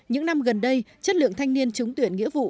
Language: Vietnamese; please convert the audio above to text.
những năm gần đây chất lượng thanh niên trúng tuyển nghĩa vụ